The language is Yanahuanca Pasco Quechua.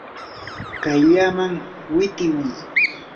kayllaman witimuy.